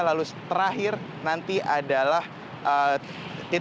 lalu terakhir nanti adalah titik